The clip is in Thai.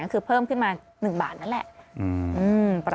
คือเพิ่มขึ้นมา๑บาทนั่นแหละ